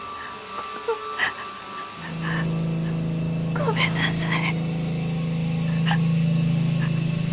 ごごめんなさい。